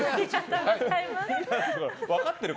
分かってる？